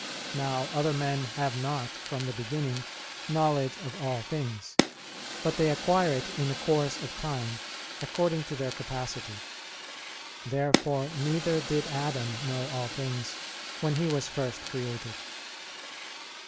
Now other men have not, from the beginning, knowledge of all things, but they acquire it in the course of time according to their capacity. Therefore neither did Adam know all things when he was first created.